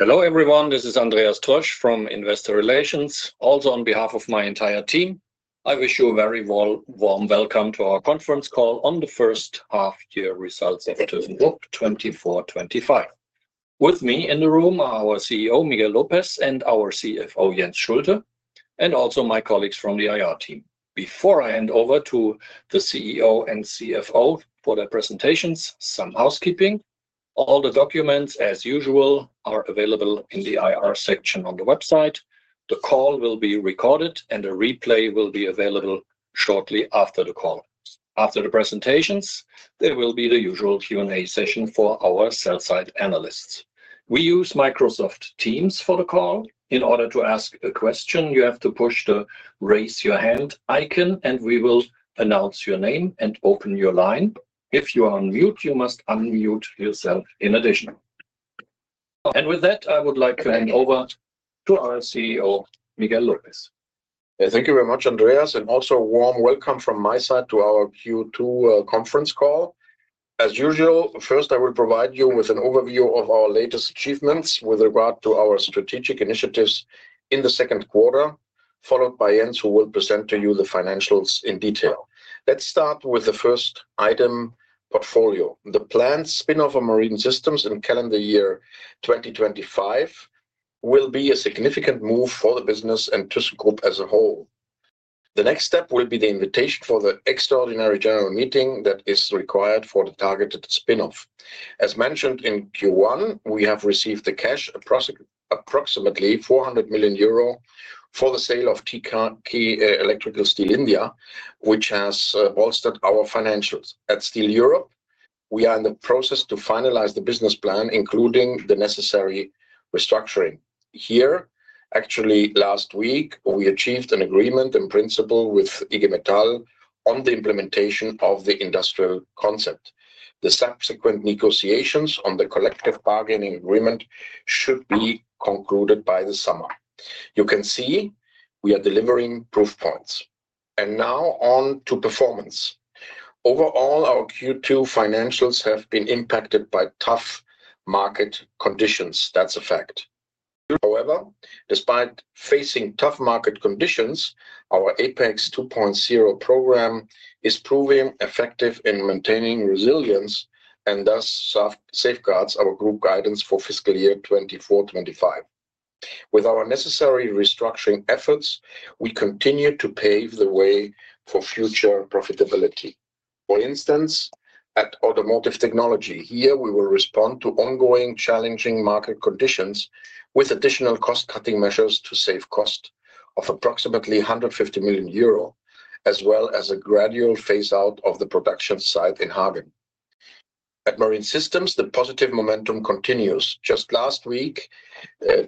Hello everyone, this is Andreas Troesch from Investor Relations, also on behalf of my entire team. I wish you a very warm welcome to our conference call on the first half-year results of the thyssenkrupp 2024-2025. With me in the room are our CEO, Miguel López, and our CFO, Jens Schulte, and also my colleagues from the IR team. Before I hand over to the CEO and CFO for their presentations, some housekeeping: all the documents, as usual, are available in the IR section on the website. The call will be recorded, and a replay will be available shortly after the call. After the presentations, there will be the usual Q&A session for our sell-side analysts. We use Microsoft Teams for the call. In order to ask a question, you have to push the raise-your-hand icon, and we will announce your name and open your line. If you are on mute, you must unmute yourself in addition. With that, I would like to hand over to our CEO, Miguel López. Thank you very much, Andreas, and also a warm welcome from my side to our Q2 conference call. As usual, first I will provide you with an overview of our latest achievements with regard to our strategic initiatives in the second quarter, followed by Jens, who will present to you the financials in detail. Let's start with the first item, portfolio. The planned spin-off of Marine Systems in calendar year 2025 will be a significant move for the business and thyssenkrupp as a whole. The next step will be the invitation for the extraordinary general meeting that is required for the targeted spin-off. As mentioned in Q1, we have received the cash, approximately 400 million euro for the sale of thyssenkrupp Electrical Steel India, which has bolstered our financials. At Steel Europe, we are in the process of finalizing the business plan, including the necessary restructuring. Here, actually last week, we achieved an agreement in principle with IG Metall on the implementation of the industrial concept. The subsequent negotiations on the collective bargaining agreement should be concluded by the summer. You can see we are delivering proof points. Now on to performance. Overall, our Q2 financials have been impacted by tough market conditions. That's a fact. However, despite facing tough market conditions, our APEX 2.0 program is proving effective in maintaining resilience and thus safeguards our group guidance for fiscal year 2024-2025. With our necessary restructuring efforts, we continue to pave the way for future profitability. For instance, at Automotive Technology, here we will respond to ongoing challenging market conditions with additional cost-cutting measures to save cost of approximately 150 million euro, as well as a gradual phase-out of the production site in Harbin. At Marine Systems, the positive momentum continues. Just last week, Thyssenkrupp Marine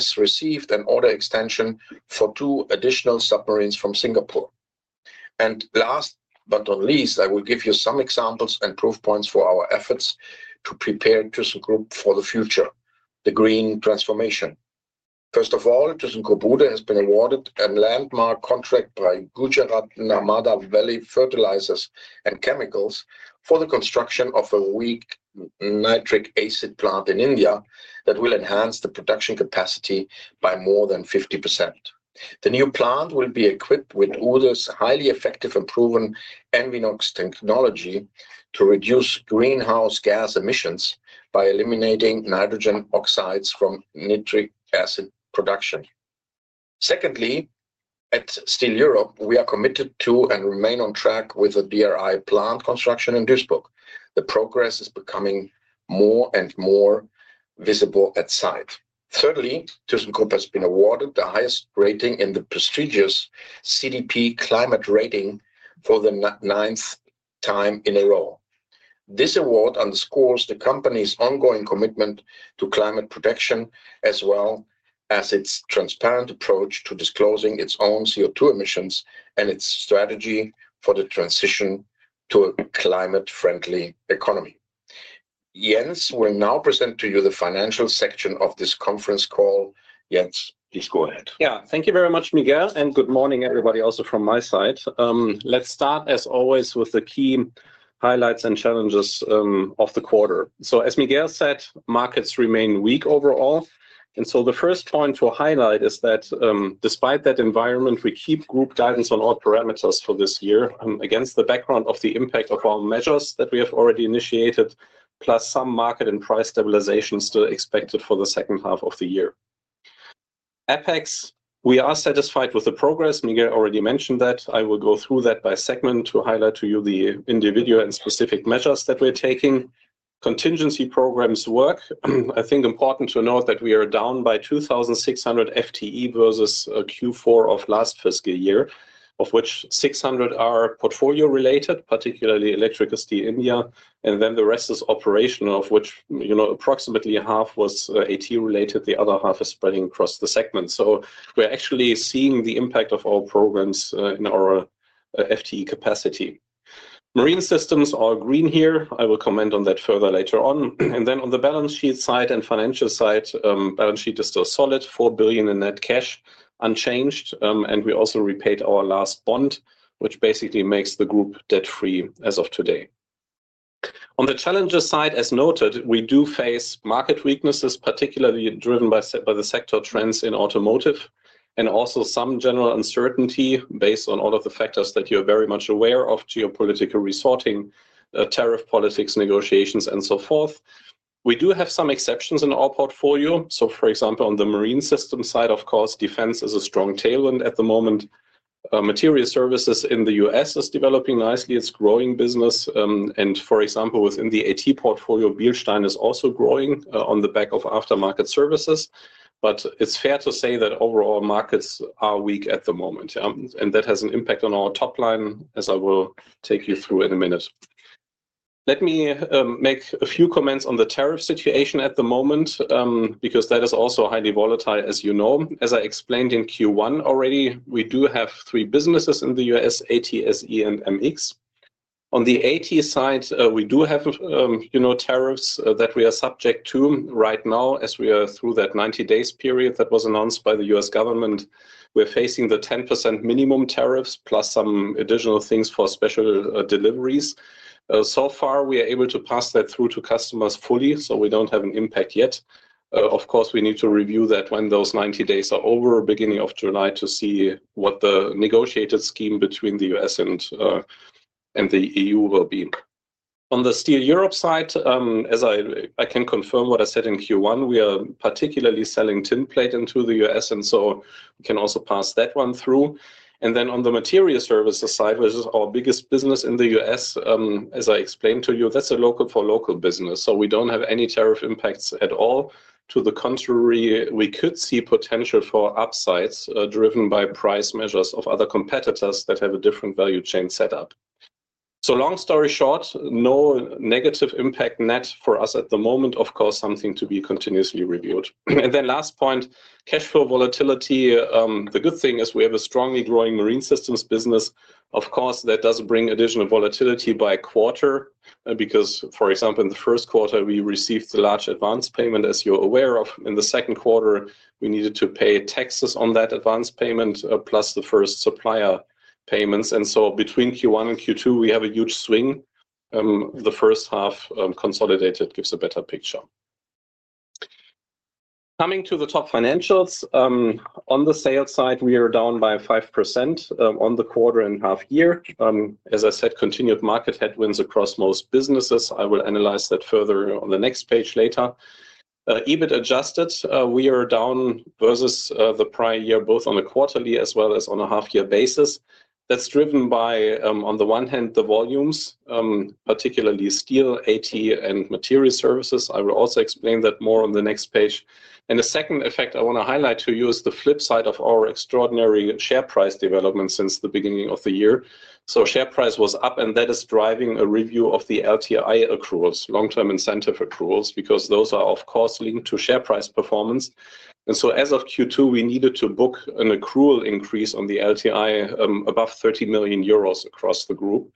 Systems received an order extension for two additional submarines from Singapore. Last but not least, I will give you some examples and proof points for our efforts to prepare Thyssenkrupp for the future, the green transformation. First of all, Thyssenkrupp Uhde has been awarded a landmark contract by Gujarat Narmada Valley Fertilizers and Chemicals for the construction of a weak nitric acid plant in India that will enhance the production capacity by more than 50%. The new plant will be equipped with Uhde's highly effective and proven Envinox technology to reduce greenhouse gas emissions by eliminating nitrogen oxides from nitric acid production. Secondly, at Steel Europe, we are committed to and remain on track with the DRI plant construction in Duisburg. The progress is becoming more and more visible at site. Thirdly, thyssenkrupp has been awarded the highest rating in the prestigious CDP Climate Rating for the ninth time in a row. This award underscores the company's ongoing commitment to climate protection, as well as its transparent approach to disclosing its own CO2 emissions and its strategy for the transition to a climate-friendly economy. Jens will now present to you the financial section of this conference call. Jens, please go ahead. Yeah, thank you very much, Miguel, and good morning everybody also from my side. Let's start as always with the key highlights and challenges of the quarter. As Miguel said, markets remain weak overall. The first point to highlight is that despite that environment, we keep group guidance on all parameters for this year, against the background of the impact of our measures that we have already initiated, plus some market and price stabilization still expected for the second half of the year. APEX, we are satisfied with the progress. Miguel already mentioned that. I will go through that by segment to highlight to you the individual and specific measures that we're taking. Contingency programs work. I think it's important to note that we are down by 2,600 FTE versus Q4 of last fiscal year, of which 600 are portfolio-related, particularly Electrical Steel India, and then the rest is operational, of which approximately half was AT-related, the other half is spreading across the segment. We are actually seeing the impact of our programs in our FTE capacity. Marine Systems are green here. I will comment on that further later on. On the balance sheet side and financial side, the balance sheet is still solid, 4 billion in net cash unchanged, and we also repaid our last bond, which basically makes the group debt-free as of today. On the challenges side, as noted, we do face market weaknesses, particularly driven by the sector trends in automotive and also some general uncertainty based on all of the factors that you're very much aware of: geopolitical resorting, tariff politics, negotiations, and so forth. We do have some exceptions in our portfolio. For example, on the marine system side, of course, defense is a strong tailwind at the moment. Materials services in the US is developing nicely. It's a growing business. For example, within the AT portfolio, Bilstein is also growing on the back of aftermarket services. It's fair to say that overall markets are weak at the moment, and that has an impact on our top line, as I will take you through in a minute. Let me make a few comments on the tariff situation at the moment, because that is also highly volatile, as you know. As I explained in Q1 already, we do have three businesses in the U.S.: AT, SE, and MX. On the AT side, we do have tariffs that we are subject to right now, as we are through that 90-day period that was announced by the U.S. government. We're facing the 10% minimum tariffs, plus some additional things for special deliveries. So far, we are able to pass that through to customers fully, so we don't have an impact yet. Of course, we need to review that when those 90 days are over, beginning of July, to see what the negotiated scheme between the U.S. and the EU will be. On the Steel Europe side, as I can confirm what I said in Q1, we are particularly selling tin plate into the US, and we can also pass that one through. On the materials services side, which is our biggest business in the US, as I explained to you, that is a local-for-local business, so we do not have any tariff impacts at all. To the contrary, we could see potential for upsides driven by price measures of other competitors that have a different value chain setup. Long story short, no negative impact net for us at the moment. Of course, something to be continuously reviewed. The last point, cash flow volatility. The good thing is we have a strongly growing marine systems business. Of course, that does bring additional volatility by a quarter, because, for example, in the first quarter, we received the large advance payment, as you're aware of. In the second quarter, we needed to pay taxes on that advance payment, plus the first supplier payments. Between Q1 and Q2, we have a huge swing. The first half consolidated gives a better picture. Coming to the top financials, on the sales side, we are down by 5% on the quarter and half year. As I said, continued market headwinds across most businesses. I will analyze that further on the next page later. EBIT adjusted, we are down versus the prior year, both on a quarterly as well as on a half-year basis. That is driven by, on the one hand, the volumes, particularly steel, AT, and materials services. I will also explain that more on the next page. The second effect I want to highlight to you is the flip side of our extraordinary share price development since the beginning of the year. Share price was up, and that is driving a review of the LTI accruals, long-term incentive accruals, because those are, of course, linked to share price performance. As of Q2, we needed to book an accrual increase on the LTI above 30 million euros across the group.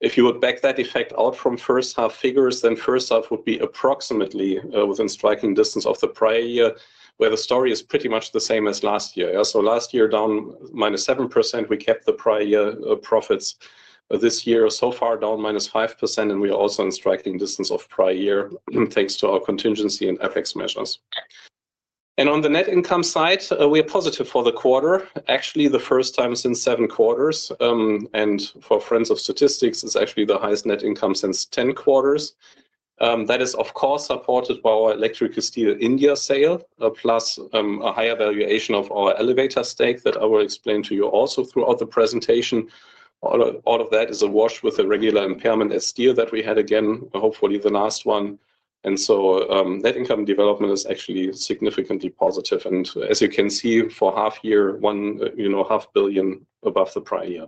If you would back that effect out from first-half figures, then first-half would be approximately within striking distance of the prior year, where the story is pretty much the same as last year. Last year, down -7%, we kept the prior year profits. This year, so far down -5%, and we are also in striking distance of prior year, thanks to our contingency and APEX measures. On the net income side, we are positive for the quarter, actually the first time since seven quarters. For friends of statistics, it is actually the highest net income since ten quarters. That is, of course, supported by our Electrical Steel India sale, plus a higher valuation of our elevator stake that I will explain to you also throughout the presentation. All of that is awash with a regular impairment at steel that we had again, hopefully the last one. Net income development is actually significantly positive. As you can see, for half year, 1.5 billion above the prior year.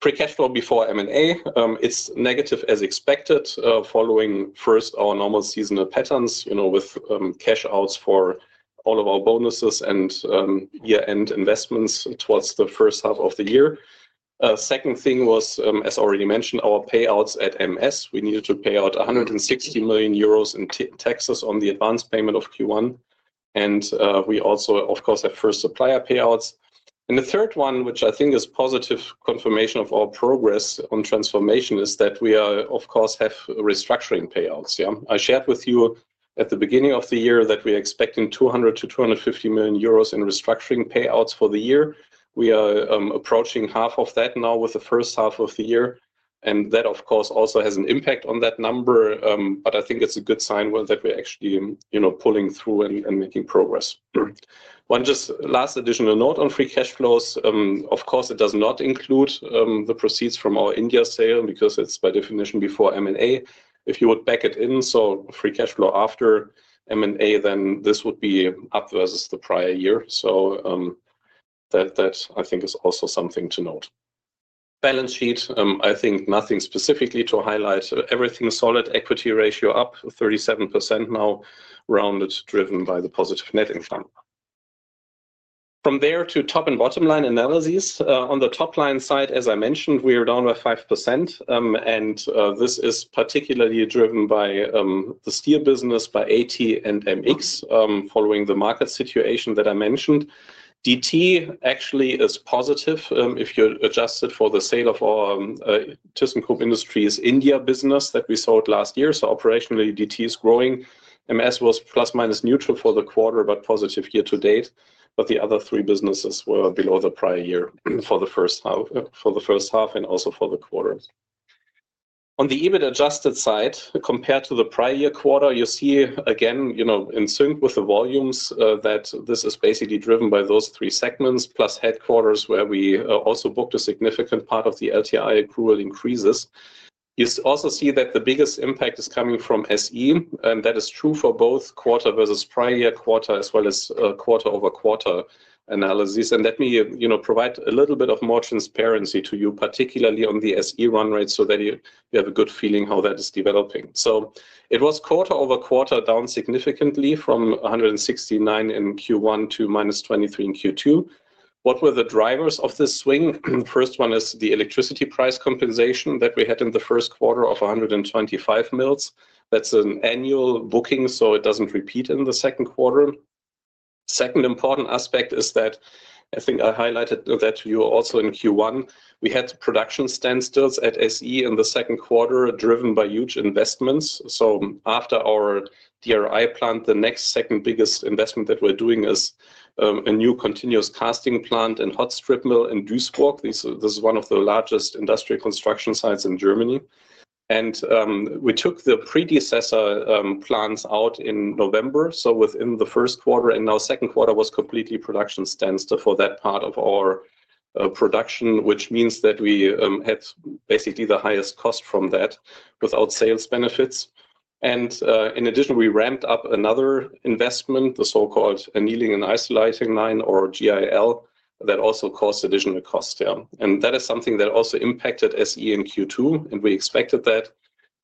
Pre-cash flow before M&A, it is negative as expected, following first our normal seasonal patterns with cash outs for all of our bonuses and year-end investments towards the first half of the year. The second thing was, as already mentioned, our payouts at MS. We needed to pay out 160 million euros in taxes on the advance payment of Q1. We also, of course, have first supplier payouts. The third one, which I think is positive confirmation of our progress on transformation, is that we are, of course, have restructuring payouts. I shared with you at the beginning of the year that we are expecting 200-250 million euros in restructuring payouts for the year. We are approaching half of that now with the first half of the year. That, of course, also has an impact on that number, but I think it is a good sign that we are actually pulling through and making progress. One just last additional note on free cash flows. Of course, it does not include the proceeds from our India sale because it is by definition before M&A. If you would back it in, so free cash flow after M&A, then this would be up versus the prior year. That, I think, is also something to note. Balance sheet, I think nothing specifically to highlight. Everything solid, equity ratio up 37% now, rounded, driven by the positive net income. From there to top and bottom line analyses. On the top line side, as I mentioned, we are down by 5%. This is particularly driven by the steel business, by AT and MX, following the market situation that I mentioned. DT actually is positive if you adjust it for the sale of our thyssenkrupp Industries India business that we sold last year. Operationally, DT is growing. MS was plus minus neutral for the quarter, but positive year to date. The other three businesses were below the prior year for the first half and also for the quarter. On the EBIT adjusted side, compared to the prior year quarter, you see again in sync with the volumes that this is basically driven by those three segments, plus headquarters, where we also booked a significant part of the LTI accrual increases. You also see that the biggest impact is coming from SE. That is true for both quarter versus prior year quarter, as well as quarter-over-quarter analysis. Let me provide a little bit of more transparency to you, particularly on the SE run rate, so that you have a good feeling how that is developing. It was quarter-over-quarter down significantly from 169 million in Q1 to -23 million in Q2. What were the drivers of this swing? First one is the electricity price compensation that we had in the first quarter of 125 million. That's an annual booking, so it doesn't repeat in the second quarter. Second important aspect is that I think I highlighted that to you also in Q1. We had production standstills at SE in the second quarter, driven by huge investments. After our DRI plant, the next second biggest investment that we're doing is a new continuous casting plant in Hotstrippel in Duisburg. This is one of the largest industrial construction sites in Germany. We took the predecessor plants out in November. Within the first quarter and now the second quarter was completely production standstill for that part of our production, which means that we had basically the highest cost from that without sales benefits. In addition, we ramped up another investment, the so-called annealing and isolating line or GIL, that also caused additional costs. That is something that also impacted SE in Q2, and we expected that.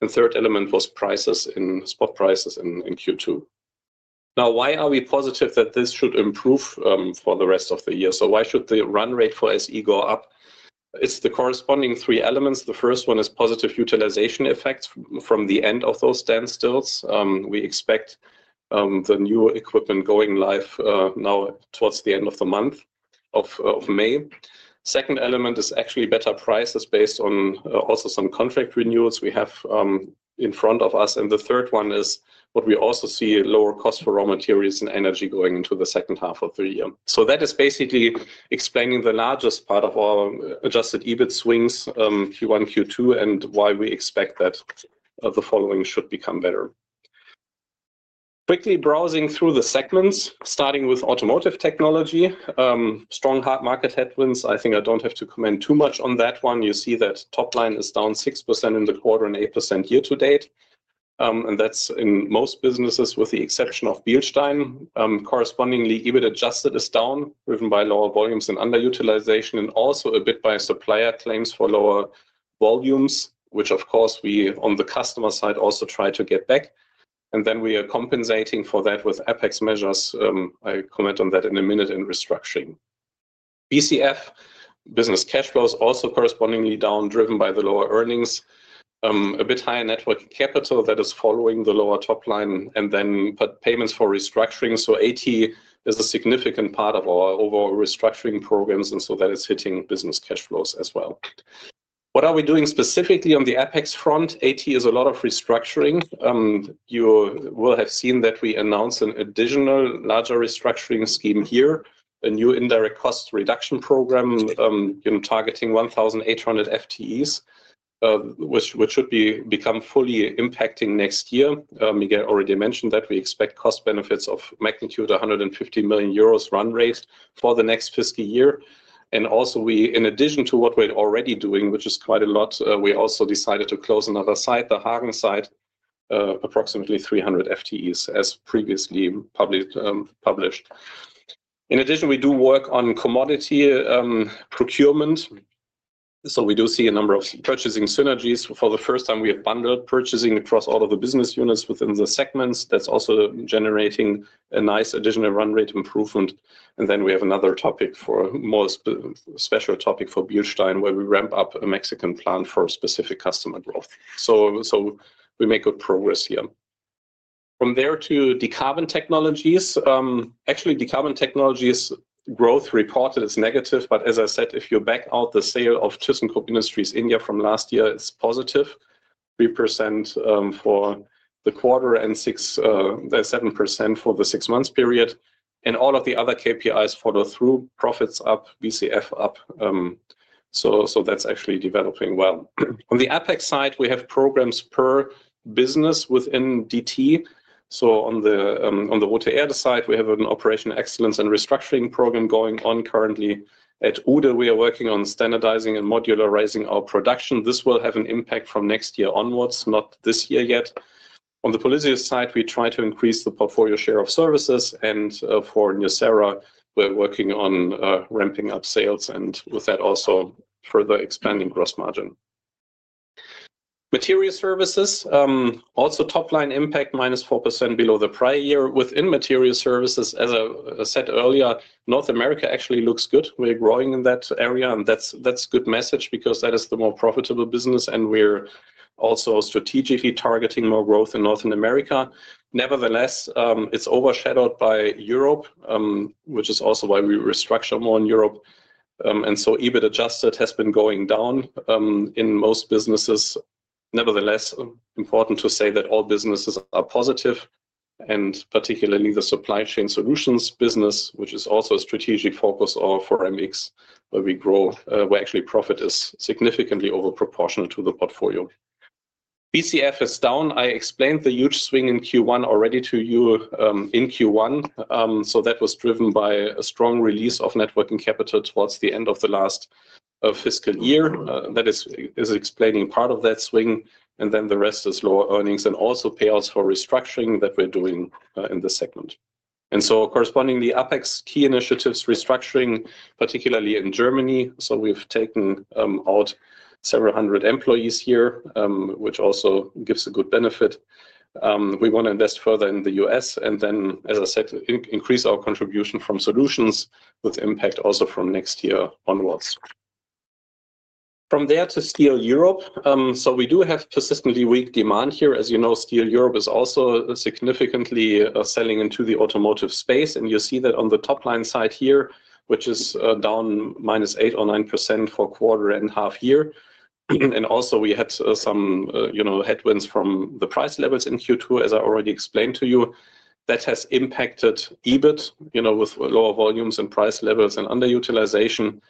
The third element was prices in spot prices in Q2. Now, why are we positive that this should improve for the rest of the year? Why should the run rate for SE go up? It is the corresponding three elements. The first one is positive utilization effects from the end of those standstills. We expect the new equipment going live now towards the end of the month of May. The second element is actually better prices based on also some contract renewals we have in front of us. The third one is what we also see, lower cost for raw materials and energy going into the second half of the year. That is basically explaining the largest part of our adjusted EBIT swings Q1, Q2, and why we expect that the following should become better. Quickly browsing through the segments, starting with Automotive Technology, strong hard market headwinds. I think I do not have to comment too much on that one. You see that top line is down 6% in the quarter and 8% year to date. That is in most businesses, with the exception of Bilstein. Correspondingly, EBIT adjusted is down, driven by lower volumes and underutilization, and also a bit by supplier claims for lower volumes, which, of course, we on the customer side also try to get back. We are compensating for that with APEX measures. I comment on that in a minute in restructuring. BCF business cash flows also correspondingly down, driven by the lower earnings. A bit higher network capital that is following the lower top line, and then payments for restructuring. AT is a significant part of our overall restructuring programs, and that is hitting business cash flows as well. What are we doing specifically on the APEX front? AT is a lot of restructuring. You will have seen that we announced an additional larger restructuring scheme here, a new indirect cost reduction program targeting 1,800 FTEs, which should become fully impacting next year. Miguel already mentioned that we expect cost benefits of magnitude 150 million euros run rate for the next fiscal year. In addition to what we are already doing, which is quite a lot, we also decided to close another site, the Hagen site, approximately 300 FTEs, as previously published. In addition, we do work on commodity procurement. We do see a number of purchasing synergies. For the first time, we have bundled purchasing across all of the business units within the segments. That is also generating a nice additional run rate improvement. Then we have another topic, a more special topic for Bilstein, where we ramp up a Mexican plant for specific customer growth. We make good progress here. From there to decarbon technologies. Actually, the carbon technologies growth reported is negative. As I said, if you back out the sale of thyssenkrupp Industries India from last year, it is positive, 3% for the quarter and 7% for the six-month period. All of the other KPIs follow through, profits up, BCF up. That is actually developing well. On the APEX side, we have programs per business within DT. On the OTR side, we have an operational excellence and restructuring program going on currently. At Uhde, we are working on standardizing and modularizing our production. This will have an impact from next year onwards, not this year yet. On the Polysius side, we try to increase the portfolio share of services. For Nucera, we're working on ramping up sales and with that also further expanding gross margin. Materials Services, also top line impact, minus 4% below the prior year. Within Materials Services, as I said earlier, North America actually looks good. We're growing in that area. That is a good message because that is the more profitable business. We're also strategically targeting more growth in North America. Nevertheless, it's overshadowed by Europe, which is also why we restructure more in Europe. EBIT adjusted has been going down in most businesses. Nevertheless, important to say that all businesses are positive, and particularly the supply chain solutions business, which is also a strategic focus for MX, where we grow, where actually profit is significantly overproportional to the portfolio. BCF is down. I explained the huge swing in Q1 already to you in Q1. That was driven by a strong release of networking capital towards the end of the last fiscal year. That is explaining part of that swing. The rest is lower earnings and also payouts for restructuring that we're doing in the segment. Correspondingly, APEX key initiatives, restructuring, particularly in Germany. We have taken out several hundred employees here, which also gives a good benefit. We want to invest further in the U.S. and, as I said, increase our contribution from solutions with impact also from next year onwards. From there to Steel Europe. We do have persistently weak demand here. As you know, Steel Europe is also significantly selling into the automotive space. You see that on the top line side here, which is down minus 8% or 9% for quarter and half year. We had some headwinds from the price levels in Q2, as I already explained to you. That has impacted EBIT with lower volumes and price levels and underutilization.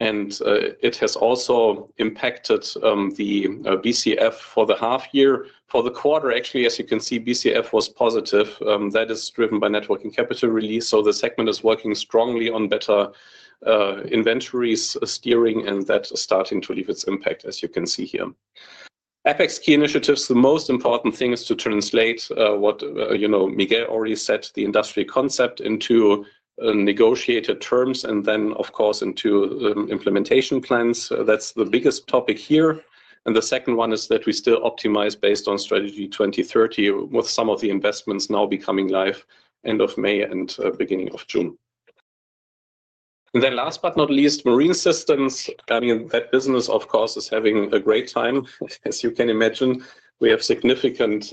It has also impacted the BCF for the half year. For the quarter, actually, as you can see, BCF was positive. That is driven by networking capital release. The segment is working strongly on better inventories steering, and that is starting to leave its impact, as you can see here. APEX key initiatives, the most important thing is to translate what Miguel already said, the industry concept into negotiated terms and then, of course, into implementation plans. That is the biggest topic here. The second one is that we still optimize based on strategy 2030, with some of the investments now becoming live end of May and beginning of June. Last but not least, marine systems. I mean, that business, of course, is having a great time. As you can imagine, we have significant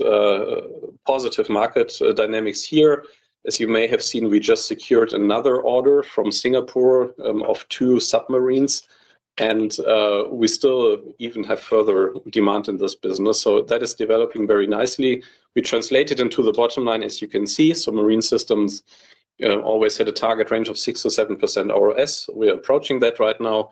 positive market dynamics here. As you may have seen, we just secured another order from Singapore of two submarines. We still even have further demand in this business. That is developing very nicely. We translate it into the bottom line, as you can see. Marine systems always had a target range of 6%-7% ROS. We are approaching that right now.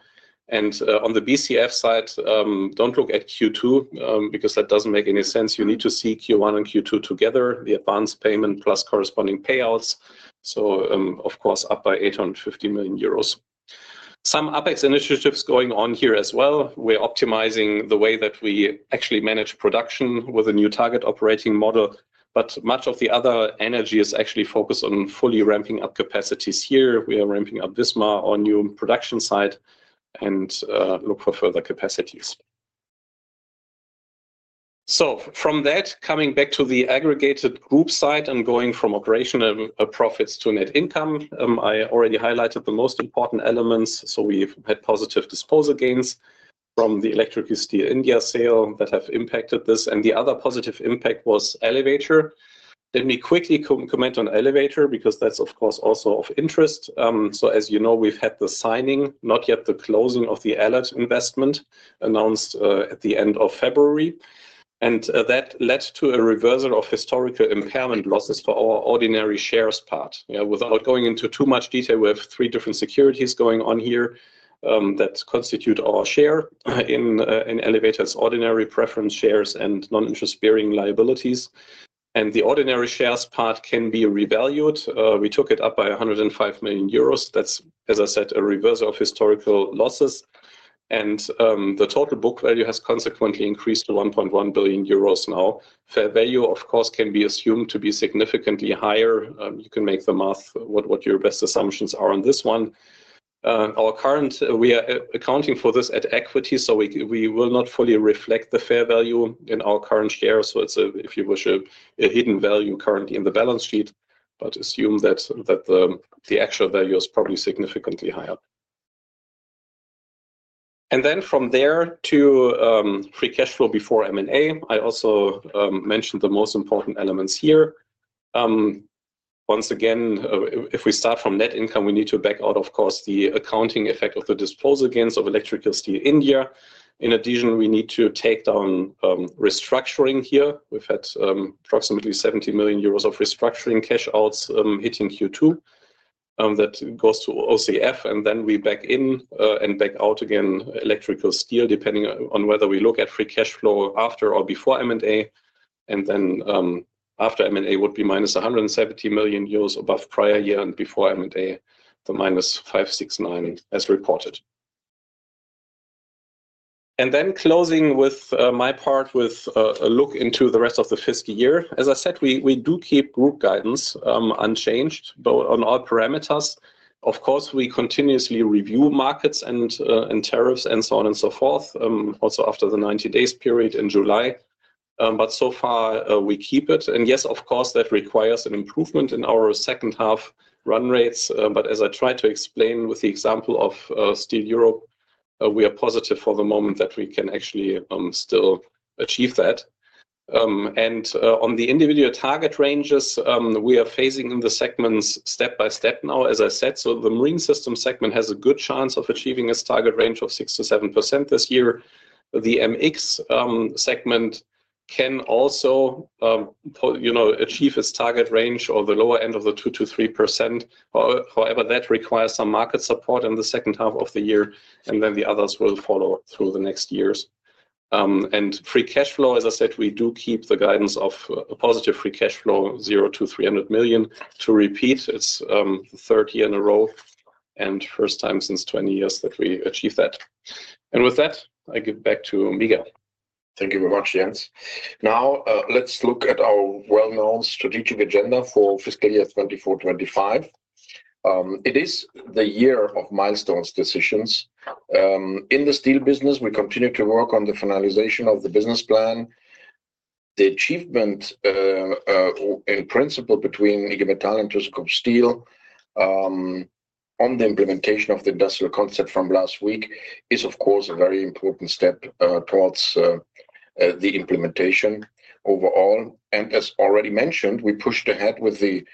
On the BCF side, do not look at Q2 because that does not make any sense. You need to see Q1 and Q2 together, the advance payment plus corresponding payouts. Of course, up by 850 million euros. Some APEX initiatives going on here as well. We are optimizing the way that we actually manage production with a new target operating model. Much of the other energy is actually focused on fully ramping up capacities here. We are ramping up Visma on new production side and look for further capacities. From that, coming back to the aggregated group side and going from operational profits to net income, I already highlighted the most important elements. We had positive disposal gains from the Electrical Steel India sale that have impacted this. The other positive impact was elevator. Let me quickly comment on elevator because that is, of course, also of interest. As you know, we've had the signing, not yet the closing of the Alert investment announced at the end of February. That led to a reversal of historical impairment losses for our ordinary shares part. Without going into too much detail, we have three different securities going on here that constitute our share in elevators: ordinary preference shares and non-interest bearing liabilities. The ordinary shares part can be revalued. We took it up by 105 million euros. That is, as I said, a reversal of historical losses. The total book value has consequently increased to 1.1 billion euros now. Fair value, of course, can be assumed to be significantly higher. You can make the math what your best assumptions are on this one. We are accounting for this at equity, so we will not fully reflect the fair value in our current shares. It is, if you wish, a hidden value currently in the balance sheet, but assume that the actual value is probably significantly higher. From there to free cash flow before M&A, I also mentioned the most important elements here. Once again, if we start from net income, we need to back out, of course, the accounting effect of the disposal gains of Electrical Steel India. In addition, we need to take down restructuring here. We have had approximately 70 million euros of restructuring cash outs hitting Q2. That goes to OCF. Then we back in and back out again Electrical Steel, depending on whether we look at free cash flow after or before M&A. After M&A would be minus 170 million euros above prior year and before M&A, the minus 569 million as reported. Then closing with my part with a look into the rest of the fiscal year. As I said, we do keep group guidance unchanged on all parameters. Of course, we continuously review markets and tariffs and so on and so forth, also after the 90-day period in July. So far, we keep it. Yes, of course, that requires an improvement in our second half run rates. As I tried to explain with the example of Steel Europe, we are positive for the moment that we can actually still achieve that. On the individual target ranges, we are phasing in the segments step by step now, as I said. The marine system segment has a good chance of achieving its target range of 6%-7% this year. The MX segment can also achieve its target range or the lower end of the 2%-3%. However, that requires some market support in the second half of the year, and then the others will follow through the next years. Free cash flow, as I said, we do keep the guidance of positive free cash flow, 0-300 million. To repeat, it is the third year in a row and first time since 20 years that we achieve that. With that, I give back to Miguel. Thank you very much, Jens. Now, let's look at our well-known strategic agenda for fiscal year 2024-2025. It is the year of milestones decisions. In the steel business, we continue to work on the finalization of the business plan. The achievement in principle between IG Metall and thyssenkrupp steel on the implementation of the industrial concept from last week is, of course, a very important step towards the implementation overall. As already mentioned, we pushed ahead with the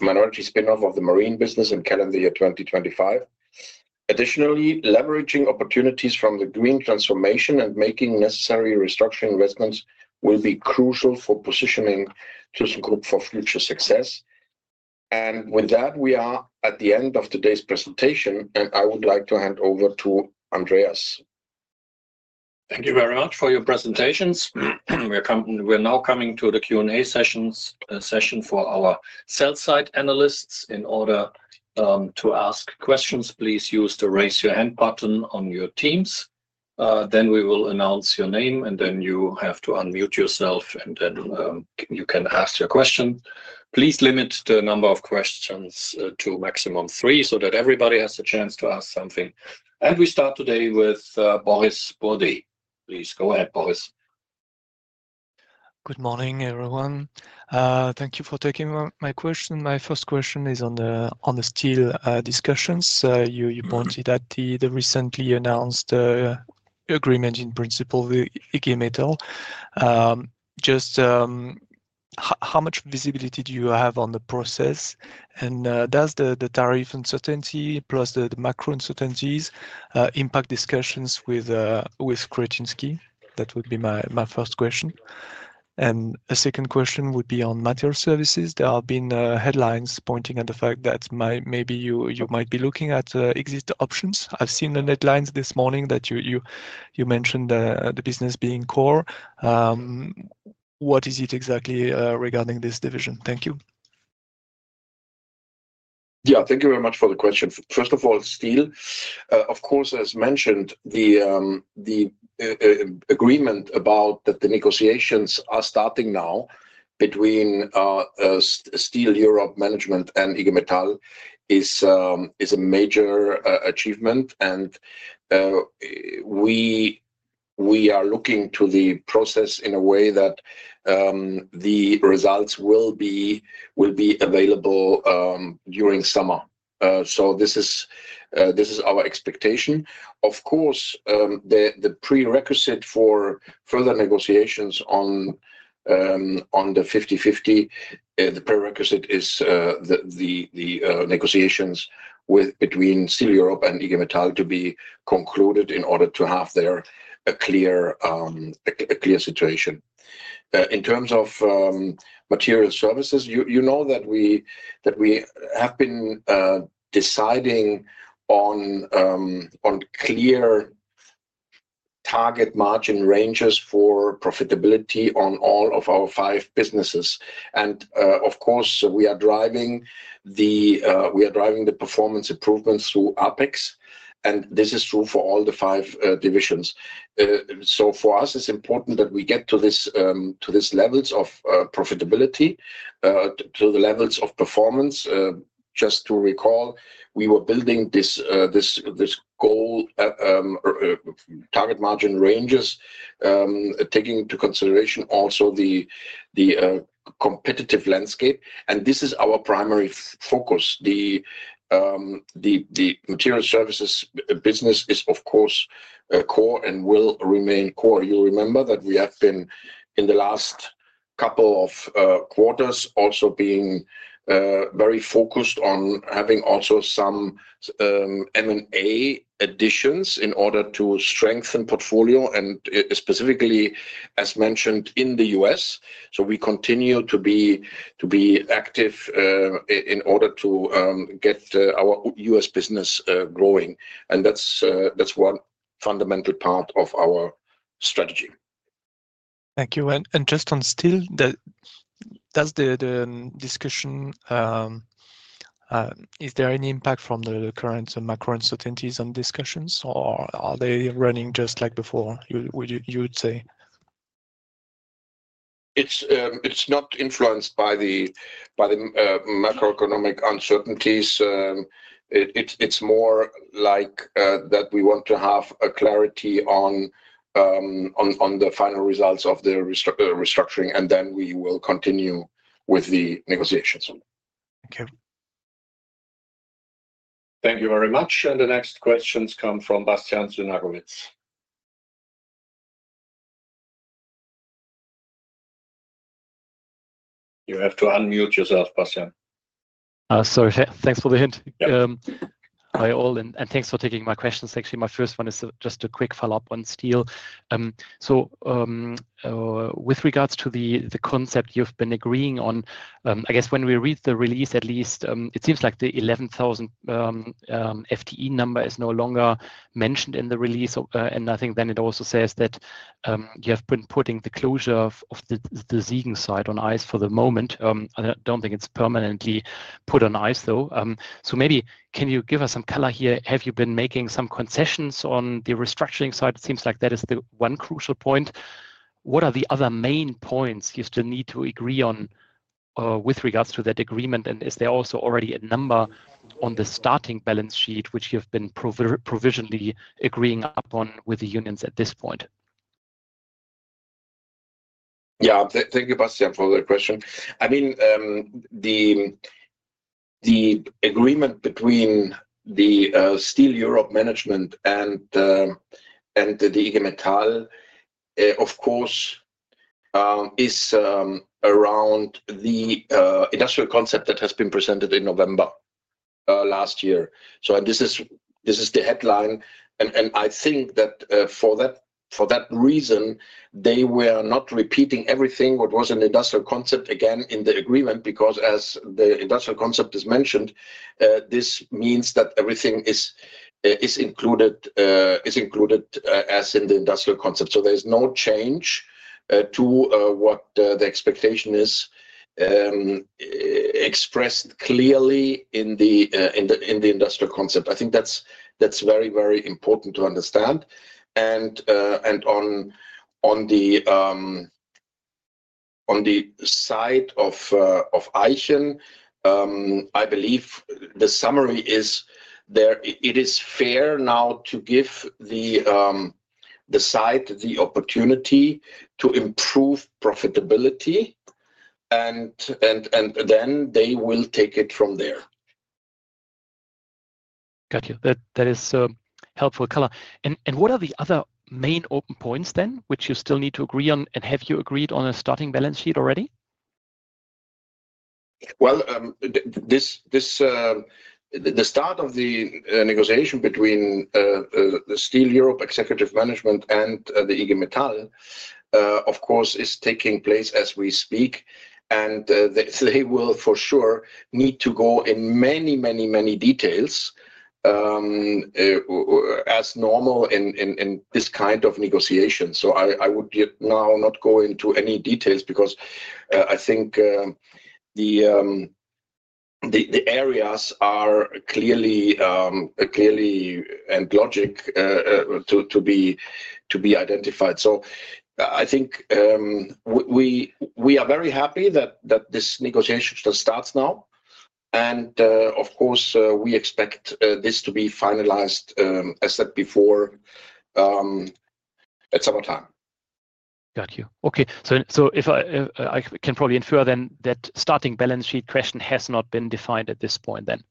minority spinoff of the marine business in calendar year 2025. Additionally, leveraging opportunities from the green transformation and making necessary restructuring investments will be crucial for positioning thyssenkrupp for future success. With that, we are at the end of today's presentation, and I would like to hand over to Andreas. Thank you very much for your presentations. We are now coming to the Q&A session for our sell-side analysts. In order to ask questions, please use the raise your hand button on your Teams. We will announce your name, and then you have to unmute yourself, and then you can ask your question. Please limit the number of questions to maximum three so that everybody has a chance to ask something. We start today with Boris Spoerry. Please go ahead, Boris. Good morning, everyone. Thank you for taking my question. My first question is on the steel discussions. You pointed at the recently announced agreement in principle with IG Metall. Just how much visibility do you have on the process? Does the tariff uncertainty plus the macro uncertainties impact discussions with Křetínský? That would be my first question. A second question would be on Materials Services. There have been headlines pointing at the fact that maybe you might be looking at existing options. I have seen the headlines this morning that you mentioned the business being core. What is it exactly regarding this division? Thank you. Yeah, thank you very much for the question. First of all, steel, of course, as mentioned, the agreement about that the negotiations are starting now between Steel Europe management and IG Metall is a major achievement. We are looking to the process in a way that the results will be available during summer. This is our expectation. Of course, the prerequisite for further negotiations on the 50-50, the prerequisite is the negotiations between Steel Europe and IG Metall to be concluded in order to have a clear situation. In terms of materials services, you know that we have been deciding on clear target margin ranges for profitability on all of our five businesses. We are driving the performance improvements through APEX. This is true for all the five divisions. For us, it's important that we get to these levels of profitability, to the levels of performance. Just to recall, we were building this goal target margin ranges, taking into consideration also the competitive landscape. This is our primary focus. The materials services business is, of course, core and will remain core. You remember that we have been in the last couple of quarters also being very focused on having also some M&A additions in order to strengthen portfolio and specifically, as mentioned, in the US. We continue to be active in order to get our US business growing. That is one fundamental part of our strategy. Thank you. Just on steel, does the discussion, is there any impact from the current macro uncertainties on discussions, or are they running just like before, you would say? It is not influenced by the macroeconomic uncertainties. It's more like that we want to have clarity on the final results of the restructuring, and then we will continue with the negotiations. Thank you. Thank you very much. The next questions come from Bastian Synagowitz. You have to unmute yourself, Bastian. Sorry, thanks for the hint. Hi, all. Thanks for taking my questions. Actually, my first one is just a quick follow-up on steel. With regards to the concept you've been agreeing on, I guess when we read the release, at least, it seems like the 11,000 FTE number is no longer mentioned in the release. I think then it also says that you have been putting the closure of the Siegen site on ice for the moment. I don't think it's permanently put on ice, though. Maybe can you give us some color here? Have you been making some concessions on the restructuring side? It seems like that is the one crucial point. What are the other main points you still need to agree on with regards to that agreement? Is there also already a number on the starting balance sheet, which you've been provisionally agreeing upon with the unions at this point? Yeah, thank you, Bastian, for the question. I mean, the agreement between the Steel Europe management and the IG Metall, of course, is around the industrial concept that has been presented in November last year. This is the headline. I think that for that reason, they were not repeating everything that was an industrial concept again in the agreement because, as the industrial concept is mentioned, this means that everything is included as in the industrial concept. There is no change to what the expectation is expressed clearly in the industrial concept. I think that is very, very important to understand. On the side of Eichen, I believe the summary is it is fair now to give the site the opportunity to improve profitability, and then they will take it from there. Got you. That is helpful color. What are the other main open points then, which you still need to agree on? Have you agreed on a starting balance sheet already? The start of the negotiation between Steel Europe executive management and IG Metall, of course, is taking place as we speak. They will for sure need to go in many, many, many details as normal in this kind of negotiation. I would now not go into any details because I think the areas are clearly and logical to be identified. I think we are very happy that this negotiation starts now. Of course, we expect this to be finalized, as said before, at summertime. Got you. Okay. If I can probably infer then that starting balance sheet question has not been defined at this point then?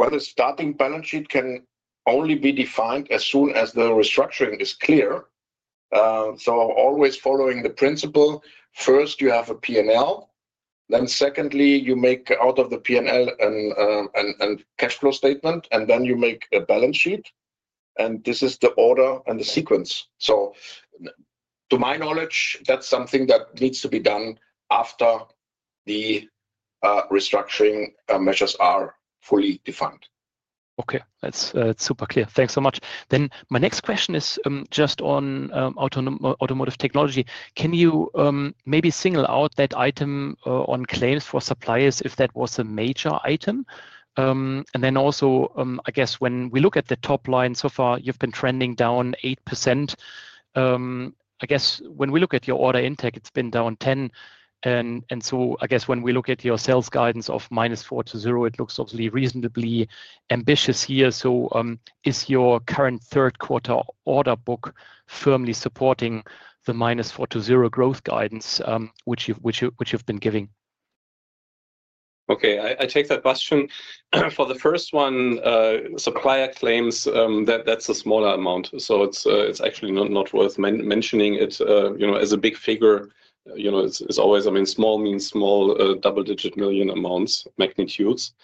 The starting balance sheet can only be defined as soon as the restructuring is clear. Always following the principle, first you have a P&L, then secondly, you make out of the P&L a cash flow statement, and then you make a balance sheet. This is the order and the sequence. To my knowledge, that's something that needs to be done after the restructuring measures are fully defined. Okay. That's super clear. Thanks so much. My next question is just on automotive technology. Can you maybe single out that item on claims for suppliers if that was a major item? I guess when we look at the top line, so far you've been trending down 8%. I guess when we look at your order intake, it's been down 10%. I guess when we look at your sales guidance of minus 4 to 0, it looks obviously reasonably ambitious here. Is your current third quarter order book firmly supporting the minus 4-0 growth guidance which you've been giving? Okay. I take that question. For the first one, supplier claims, that's a smaller amount. It's actually not worth mentioning it as a big figure. It's always, I mean, small means small double-digit million amounts, magnitudes.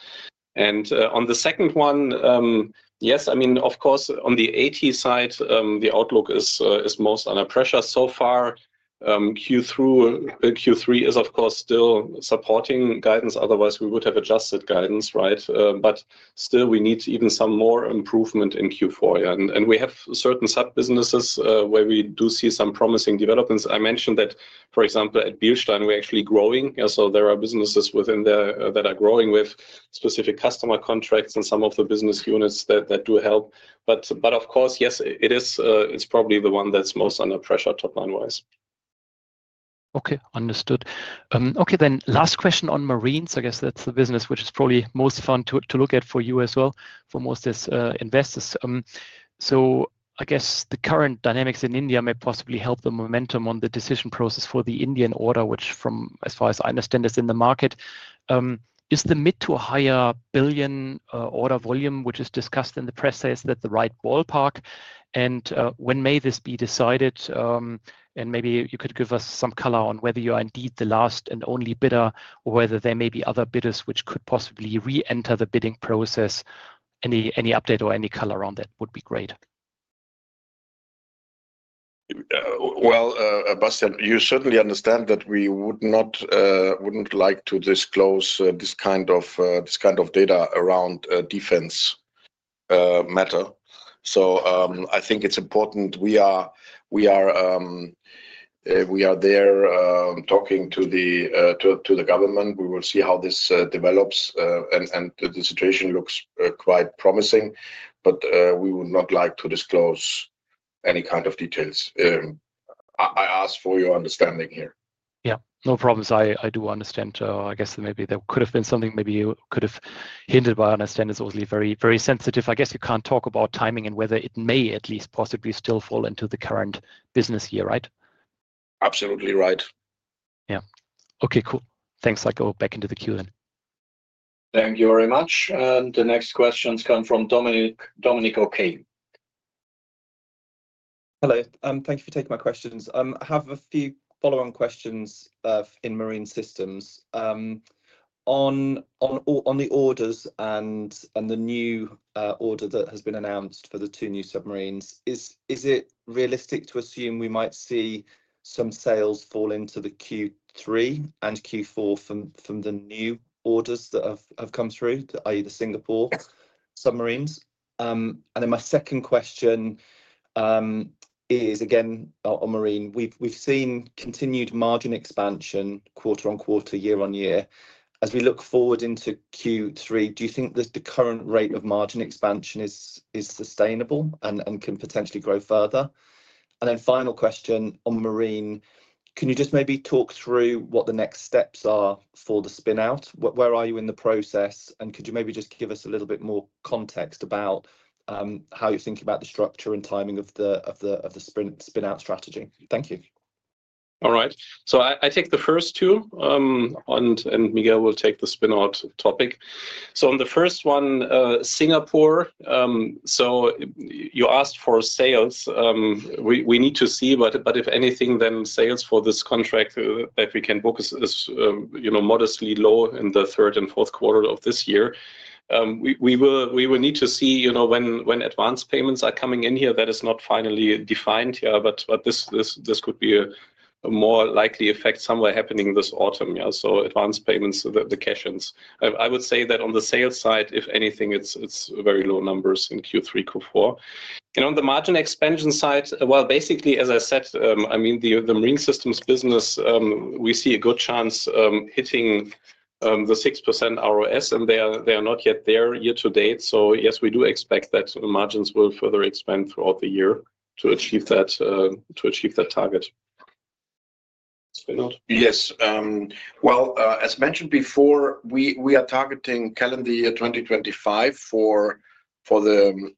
On the second one, yes, I mean, of course, on the AT side, the outlook is most under pressure so far. Q3 is, of course, still supporting guidance. Otherwise, we would have adjusted guidance, right? Still, we need even some more improvement in Q4. We have certain sub-businesses where we do see some promising developments. I mentioned that, for example, at Bilstein, we're actually growing. There are businesses within there that are growing with specific customer contracts and some of the business units that do help. Of course, yes, it's probably the one that's most under pressure top line-wise. Okay. Understood. Okay. Last question on marines. I guess that's the business which is probably most fun to look at for you as well, for most investors. I guess the current dynamics in India may possibly help the momentum on the decision process for the Indian order, which, as far as I understand, is in the market. Is the mid to higher billion order volume, which is discussed in the press, is that the right ballpark? When may this be decided? Maybe you could give us some color on whether you are indeed the last and only bidder or whether there may be other bidders which could possibly re-enter the bidding process. Any update or any color around that would be great. Bastian, you certainly understand that we would not like to disclose this kind of data around defense matter. I think it is important we are there talking to the government. We will see how this develops, and the situation looks quite promising. We would not like to disclose any kind of details. I ask for your understanding here. Yeah. No problems. I do understand. I guess maybe there could have been something maybe you could have hinted by. I understand it's obviously very sensitive. I guess you can't talk about timing and whether it may at least possibly still fall into the current business year, right? Absolutely right. Yeah. Okay. Cool. Thanks. I'll go back into the queue then. Thank you very much. The next questions come from Dominic Okey. Hello. Thank you for taking my questions. I have a few follow-on questions in marine systems. On the orders and the new order that has been announced for the two new submarines, is it realistic to assume we might see some sales fall into the Q3 and Q4 from the new orders that have come through, i.e., the Singapore submarines? Then my second question is, again, on marine, we've seen continued margin expansion quarter on quarter, year on year. As we look forward into Q3, do you think that the current rate of margin expansion is sustainable and can potentially grow further? Final question on marine, can you just maybe talk through what the next steps are for the spinout? Where are you in the process? Could you maybe just give us a little bit more context about how you're thinking about the structure and timing of the spinout strategy? Thank you. All right. I take the first two, and Miguel will take the spinout topic. On the first one, Singapore, you asked for sales. We need to see, but if anything, then sales for this contract that we can book is modestly low in the third and fourth quarter of this year. We will need to see when advance payments are coming in here. That is not finally defined here, but this could be a more likely effect somewhere happening this autumn. Advance payments, the cash-ins. I would say that on the sales side, if anything, it is very low numbers in Q3, Q4. On the margin expansion side, basically, as I said, the marine systems business, we see a good chance hitting the 6% ROS, and they are not yet there year to date. Yes, we do expect that margins will further expand throughout the year to achieve that target. As mentioned before, we are targeting calendar year 2025 for the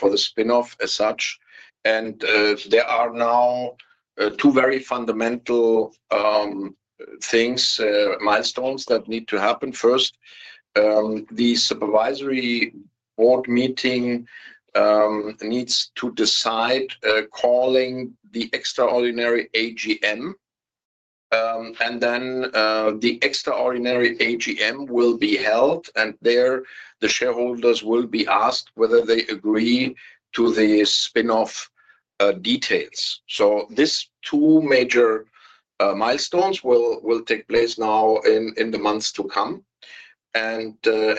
spinoff as such. There are now two very fundamental things, milestones that need to happen. First, the supervisory board meeting needs to decide calling the extraordinary AGM. Then the extraordinary AGM will be held, and there the shareholders will be asked whether they agree to the spinoff details. These two major milestones will take place now in the months to come. The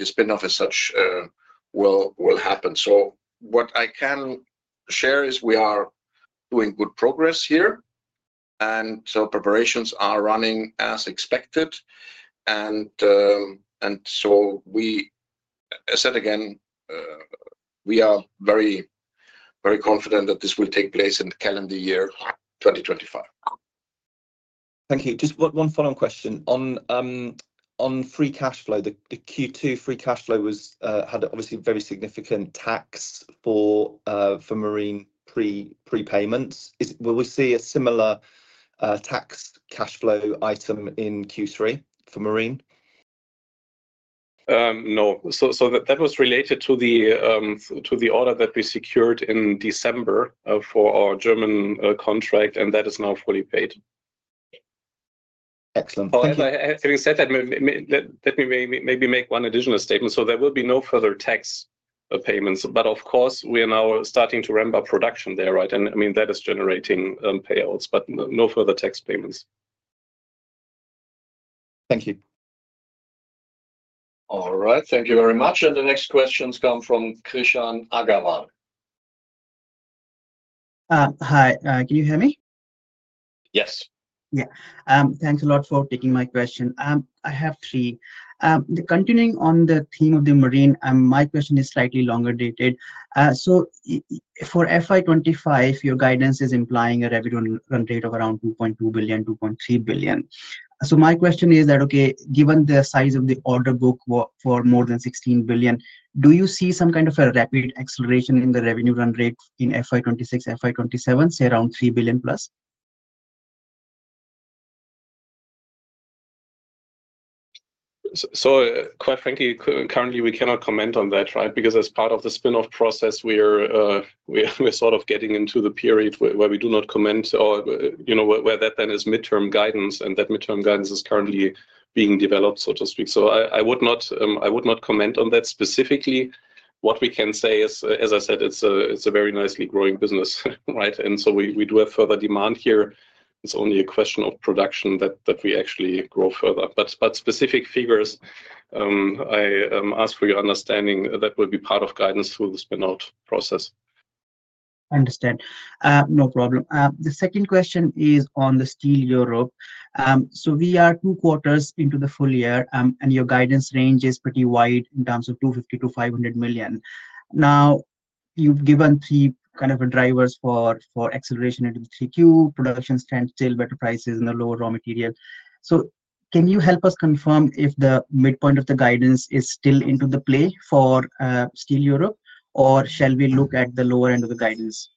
spinoff as such will happen. What I can share is we are doing good progress here. Preparations are running as expected. I said again, we are very confident that this will take place in calendar year 2025. Thank you. Just one follow-on question. On free cash flow, the Q2 free cash flow had obviously very significant tax for marine prepayments. Will we see a similar tax cash flow item in Q3 for marine? No. That was related to the order that we secured in December for our German contract, and that is now fully paid. Excellent. Having said that, let me maybe make one additional statement. There will be no further tax payments. Of course, we are now starting to ramp up production there, right? I mean, that is generating payouts, but no further tax payments. Thank you. All right. Thank you very much. The next questions come from Krishan Agarwal. Hi. Can you hear me? Yes. Yeah. Thanks a lot for taking my question. I have three. Continuing on the theme of the marine, my question is slightly longer dated. For FY 2025, your guidance is implying a revenue run rate of around 2.2 billion-2.3 billion. My question is that, okay, given the size of the order book for more than 16 billion, do you see some kind of a rapid acceleration in the revenue run rate in FY 2026, FY 2027, say around EUR 3 billion plus? Quite frankly, currently, we cannot comment on that, right? Because as part of the spinoff process, we are sort of getting into the period where we do not comment or where that then is midterm guidance, and that midterm guidance is currently being developed, so to speak. I would not comment on that specifically. What we can say is, as I said, it is a very nicely growing business, right? We do have further demand here. It is only a question of production that we actually grow further. Specific figures, I ask for your understanding, that will be part of guidance through the spinoff process. I understand. No problem. The second question is on the Steel Europe. We are two quarters into the full year, and your guidance range is pretty wide in terms of 250 million-500 million. Now, you've given three kind of drivers for acceleration into the Q3, production standstill, better prices, and the lower raw material. Can you help us confirm if the midpoint of the guidance is still into the play for Steel Europe, or shall we look at the lower end of the guidance?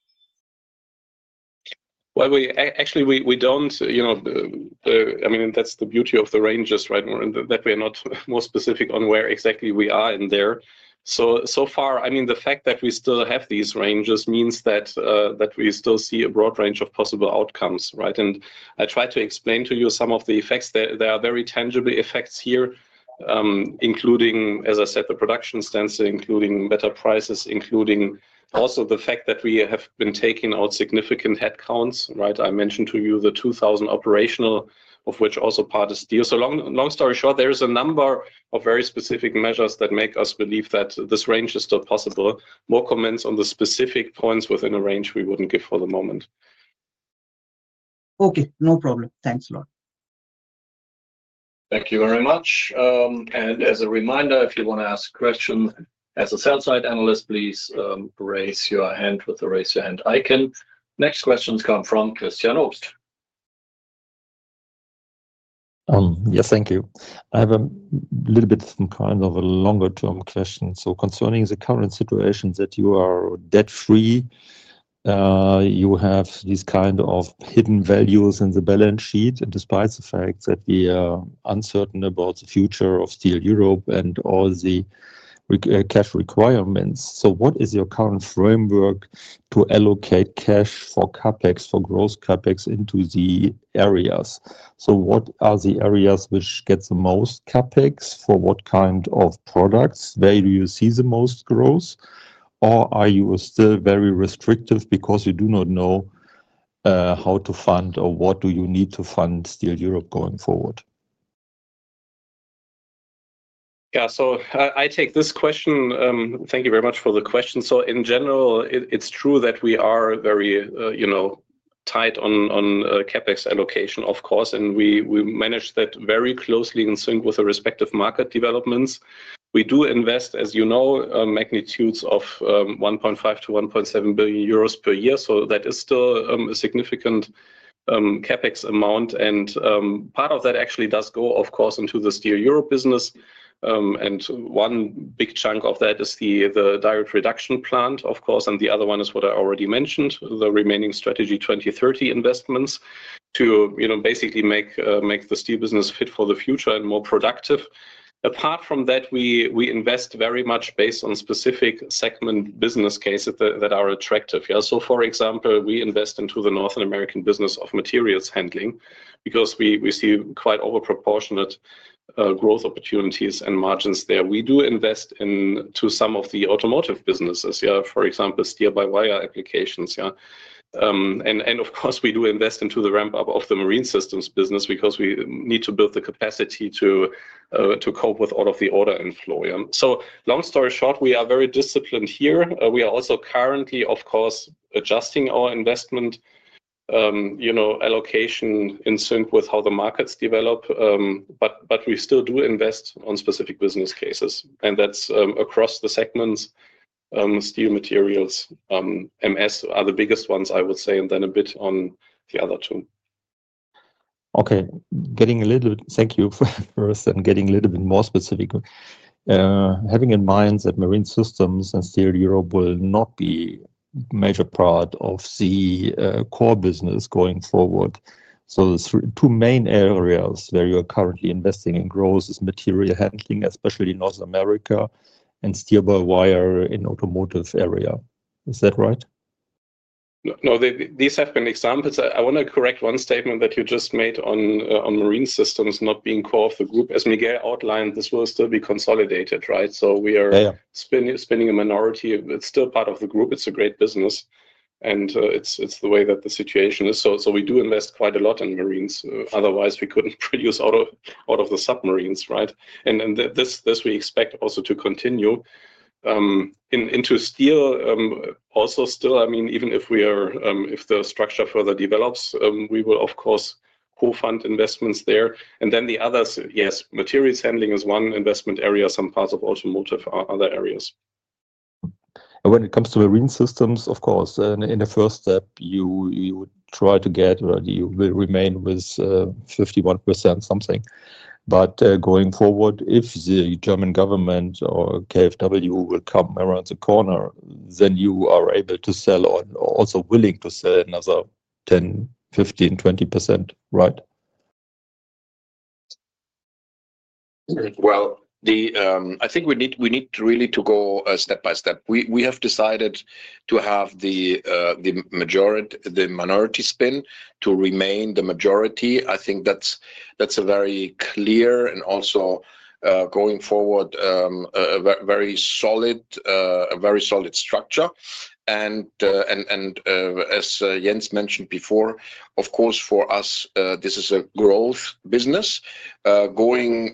Actually, we don't. I mean, that's the beauty of the ranges, right? That we are not more specific on where exactly we are in there. So far, I mean, the fact that we still have these ranges means that we still see a broad range of possible outcomes, right? I tried to explain to you some of the effects. There are very tangible effects here, including, as I said, the production standstill, including better prices, including also the fact that we have been taking out significant headcounts, right? I mentioned to you the 2,000 operational, of which also part is steel. Long story short, there is a number of very specific measures that make us believe that this range is still possible. More comments on the specific points within a range we would not give for the moment. Okay. No problem. Thanks a lot. Thank you very much. As a reminder, if you want to ask a question as a sell-side analyst, please raise your hand with the raise your hand icon. Next questions come from Christian Obst. Yes, thank you. I have a little bit of a kind of a longer-term question. Concerning the current situation that you are debt-free, you have these kind of hidden values in the balance sheet, and despite the fact that we are uncertain about the future of Steel Europe and all the cash requirements, what is your current framework to allocate cash for CapEx, for gross CapEx into the areas? What are the areas which get the most CapEx for what kind of products? Where do you see the most growth? Are you still very restrictive because you do not know how to fund, or what do you need to fund Steel Europe going forward? Yeah. I take this question. Thank you very much for the question. In general, it's true that we are very tight on CapEx allocation, of course, and we manage that very closely in sync with the respective market developments. We do invest, as you know, magnitudes of 1.5 billion-1.7 billion euros per year. That is still a significant CapEx amount. Part of that actually does go, of course, into the Steel Europe business. One big chunk of that is the direct reduction plant, of course, and the other one is what I already mentioned, the remaining Strategy 2030 investments to basically make the steel business fit for the future and more productive. Apart from that, we invest very much based on specific segment business cases that are attractive. For example, we invest into the North American business of materials handling because we see quite overproportionate growth opportunities and margins there. We do invest into some of the automotive businesses, for example, steel by wire applications. Of course, we do invest into the ramp-up of the marine systems business because we need to build the capacity to cope with all of the order inflow. Long story short, we are very disciplined here. We are also currently, of course, adjusting our investment allocation in sync with how the markets develop, but we still do invest on specific business cases. That is across the segments. Steel, materials, MS are the biggest ones, I would say, and then a bit on the other two. Okay. Thank you for getting a little bit more specific. Having in mind that marine systems and Steel Europe will not be a major part of the core business going forward, the two main areas where you are currently investing in growth are material handling, especially North America, and steel by wire in the automotive area. Is that right? No, these have been examples. I want to correct one statement that you just made on Marine Systems not being core of the group. As Miguel outlined, this will still be consolidated, right? We are spinning a minority. It is still part of the group. It is a great business. It is the way that the situation is. We do invest quite a lot in marines. Otherwise, we could not produce out of the submarines, right? We expect this also to continue into steel. Still, I mean, even if the structure further develops, we will, of course, co-fund investments there. The others, yes, materials handling is one investment area. Some parts of automotive are other areas. When it comes to Marine Systems, of course, in the first step, you would try to get or you will remain with 51% something. Going forward, if the German government or KFW will come around the corner, then you are able to sell or also willing to sell another 10%, 15%, 20%, right? I think we need really to go step by step. We have decided to have the minority spin to remain the majority. I think that's very clear and also going forward a very solid structure. As Jens mentioned before, of course, for us, this is a growth business. Going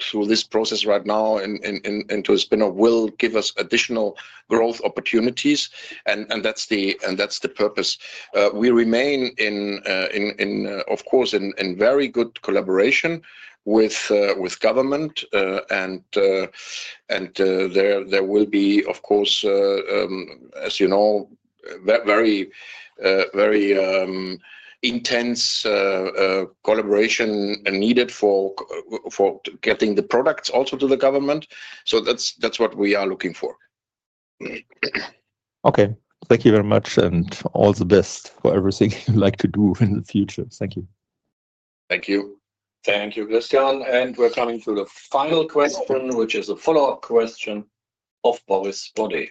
through this process right now into a spinoff will give us additional growth opportunities. That's the purpose. We remain, of course, in very good collaboration with government. There will be, of course, as you know, very intense collaboration needed for getting the products also to the government. That's what we are looking for. Okay. Thank you very much. All the best for everything you'd like to do in the future. Thank you. Thank you. Thank you, Christian. We are coming to the final question, which is a follow-up question of Boris Spoerry.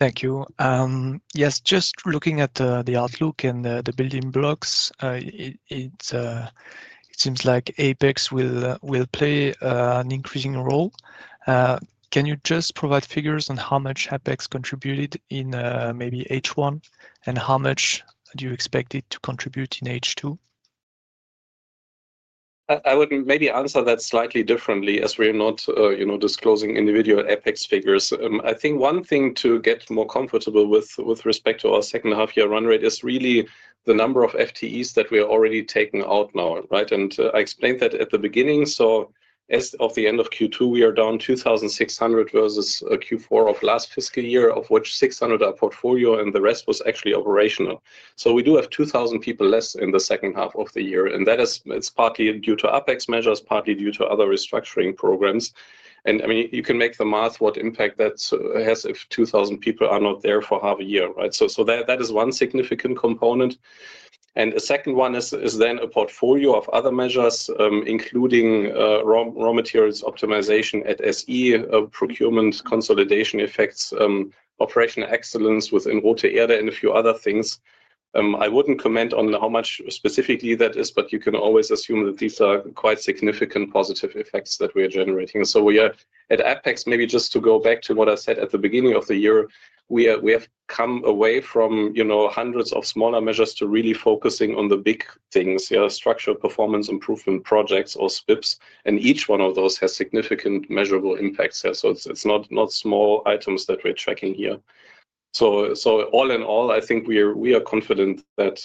Thank you. Yes, just looking at the outlook and the building blocks, it seems like APEX will play an increasing role. Can you just provide figures on how much APEX contributed in maybe H1, and how much do you expect it to contribute in H2? I would maybe answer that slightly differently as we are not disclosing individual APEX figures. I think one thing to get more comfortable with with respect to our second-half year run rate is really the number of FTEs that we are already taking out now, right? I explained that at the beginning. As of the end of Q2, we are down 2,600 versus Q4 of last fiscal year, of which 600 are portfolio and the rest was actually operational. We do have 2,000 people less in the second half of the year. That is partly due to APEX measures, partly due to other restructuring programs. I mean, you can make the math what impact that has if 2,000 people are not there for half a year, right? That is one significant component. The second one is then a portfolio of other measures, including raw materials optimization at SE, procurement consolidation effects, operational excellence within Roter Erde, and a few other things. I would not comment on how much specifically that is, but you can always assume that these are quite significant positive effects that we are generating. We are at APEX, maybe just to go back to what I said at the beginning of the year, we have come away from hundreds of smaller measures to really focusing on the big things, structural performance improvement projects or SPIPs. Each one of those has significant measurable impacts. It is not small items that we are tracking here. All in all, I think we are confident that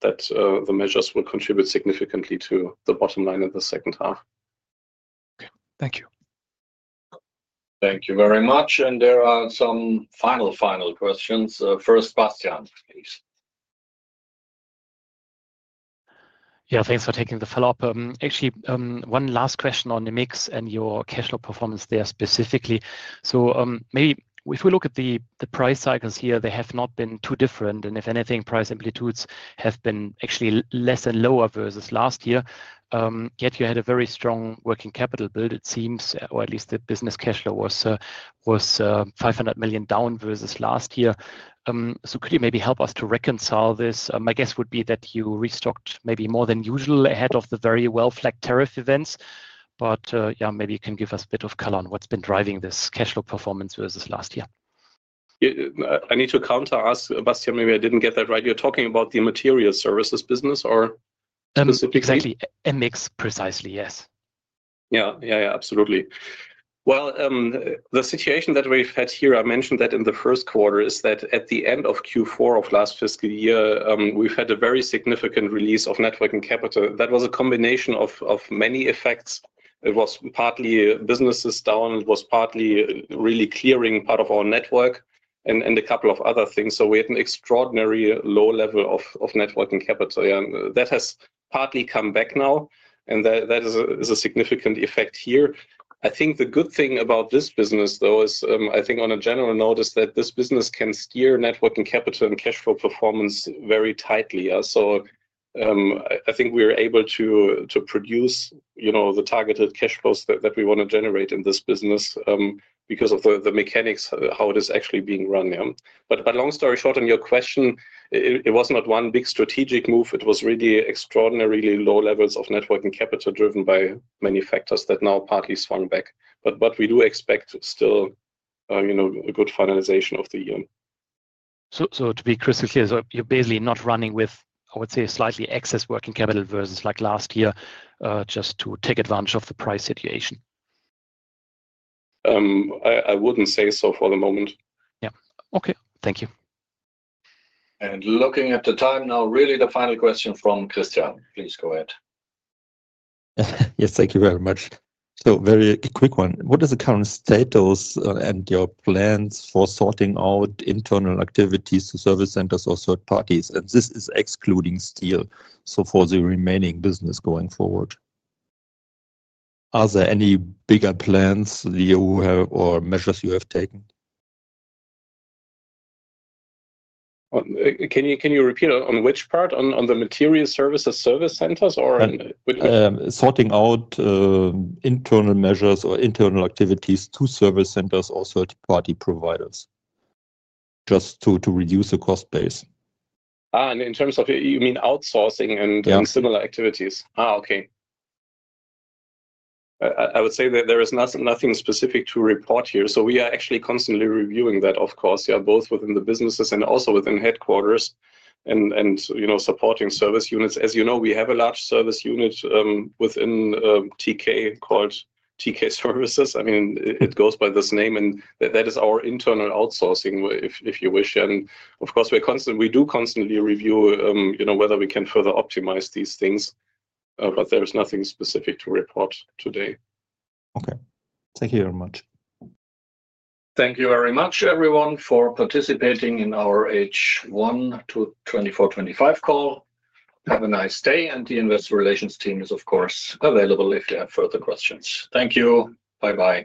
the measures will contribute significantly to the bottom line in the second half. Thank you. Thank you very much. There are some final, final questions. First, Bastian, please. Yeah, thanks for taking the follow-up. Actually, one last question on the mix and your cash flow performance there specifically. Maybe if we look at the price cycles here, they have not been too different. If anything, price amplitudes have been actually less and lower versus last year. Yet you had a very strong working capital build, it seems, or at least the business cash flow was €500 million down versus last year. Could you maybe help us to reconcile this? My guess would be that you restocked maybe more than usual ahead of the very well-flagged tariff events. Maybe you can give us a bit of color on what's been driving this cash flow performance versus last year. I need to counter ask, Bastian, maybe I didn't get that right. You're talking about the Materials Services business or specifically? Exactly. MX, precisely, yes. Yeah, yeah, yeah, absolutely. The situation that we've had here, I mentioned that in the first quarter, is that at the end of Q4 of last fiscal year, we've had a very significant release of networking capital. That was a combination of many effects. It was partly businesses down. It was partly really clearing part of our network and a couple of other things. We had an extraordinary low level of net working capital. That has partly come back now. That is a significant effect here. I think the good thing about this business, though, is I think on a general note is that this business can steer net working capital and cash flow performance very tightly. I think we are able to produce the targeted cash flows that we want to generate in this business because of the mechanics, how it is actually being run. Long story short, on your question, it was not one big strategic move. It was really extraordinarily low levels of net working capital driven by many factors that now partly swung back. We do expect still a good finalization of the year. To be crystal clear, you are basically not running with, I would say, slightly excess working capital versus last year just to take advantage of the price situation? I would not say so for the moment. Yeah. Okay. Thank you. Looking at the time now, really the final question from Christian. Please go ahead. Yes, thank you very much. Very quick one. What is the current status and your plans for sorting out internal activities to service centers or third parties? This is excluding steel. For the remaining business going forward, are there any bigger plans or measures you have taken? Can you repeat on which part? On the materials services, service centers, or? Sorting out internal measures or internal activities to service centers or third-party providers just to reduce the cost base. In terms of, you mean outsourcing and similar activities? Okay. I would say that there is nothing specific to report here. We are actually constantly reviewing that, of course, both within the businesses and also within headquarters and supporting service units. As you know, we have a large service unit within TK called TK Services. I mean, it goes by this name, and that is our internal outsourcing, if you wish. We do constantly review whether we can further optimize these things, but there is nothing specific to report today. Okay. Thank you very much. Thank you very much, everyone, for participating in our H1 2024-2025 call. Have a nice day, and the investor relations team is, of course, available if you have further questions. Thank you. Bye-bye.